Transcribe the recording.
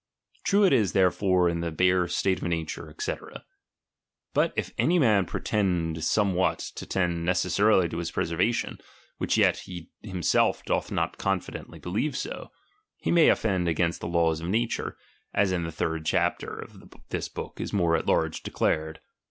True it is therefore in the bare slate of nature, &c. But if any man pretend somewhat to tend necessarily to his preservation, which yet he himself doth not confidently believe so, he may offend against the laws of nature, as in the third chapter of this book is more at large de clared.